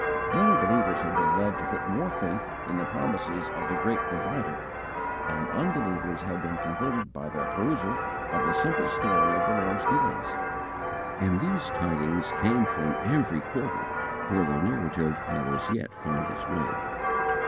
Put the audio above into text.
Many believers had been led to put more faith in the promises of the great Provider, and unbelievers had been converted by their perusal of the simple story of the Lord's dealings; and these tidings came from every quarter where the Narrative had as yet found its way.